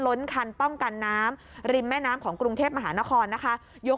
ล้นคันป้องกันน้ำริมแม่น้ำของกรุงเทพมหานครนะคะยก